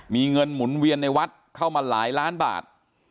มีเงินหมุนเวียนในวัดเข้ามาหลายล้านบาท